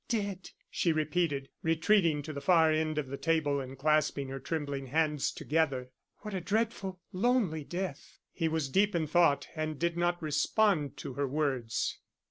"Dead?" she repeated, retreating to the far end of the table and clasping her trembling hands together. "What a dreadful lonely death." He was deep in thought and did not respond to her words.